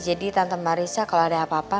jadi tante marissa kalo ada apa apa